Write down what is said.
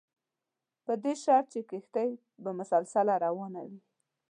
په دې شرط چې کښتۍ به مسلسله روانه وي.